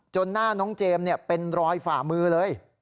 หน้าน้องเจมส์เป็นรอยฝ่ามือเลย